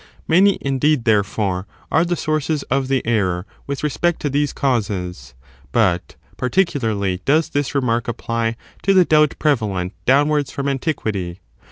Many, indeed, therefore, are the sources of the error with respect to these causes; but parti th^^no^nsr cularly does this remark apply to the doubt pre this dogma valent downwards from Antiquity.